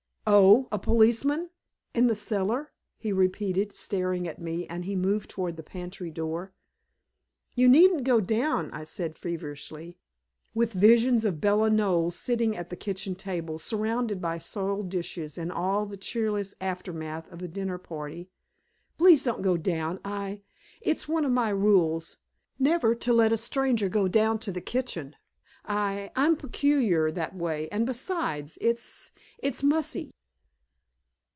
"Oh, a policeman in the cellar," he repeated, staring at me, and he moved toward the pantry door. "You needn't go down," I said feverishly, with visions of Bella Knowles sitting on the kitchen table, surrounded by soiled dishes and all the cheerless aftermath of a dinner party. "Please don't go down. I it's one of my rules never to let a stranger go down to the kitchen. I I'm peculiar that way and besides, it's it's mussy."